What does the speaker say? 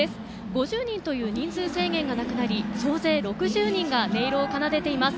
５０人という人数制限がなくなり総勢６０人が音色を奏でています。